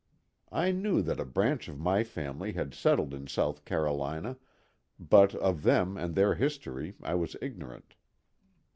I knew that a branch of my family had settled in South Carolina, but of them and their history I was ignorant.